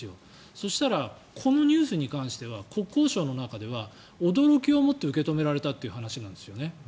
そうしたらこのニュースに関しては国交省の中では驚きをもって受け止められたって話なんですよね。